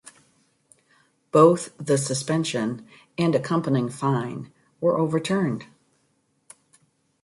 Both the suspension and the accompanying fine were overturned.